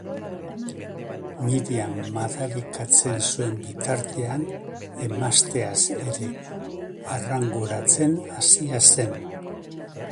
Myriam madarikatzen zuen bitartean, emazteaz ere arranguratzen hasia zen.